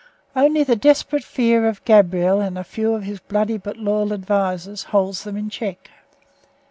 Only the desperate fear of Gabriel and a few of his bloody but loyal advisers holds them in check.